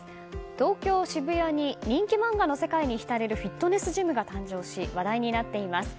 東京・渋谷に人気漫画の世界に浸れるフィットネスジムが誕生し話題になっています。